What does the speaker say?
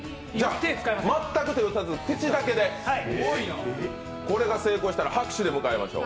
全く手を使わずに口だけでこれが成功したら拍手で迎えましょう。